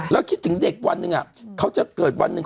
แล้วคิดถึงเด็กวันหนึ่ง